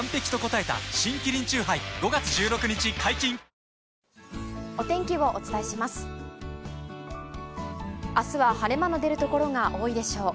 あすは晴れ間の出る所が多いでしょう。